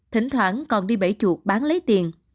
thỉnh thoảng còn đi bẫy chuột bán lấy tiền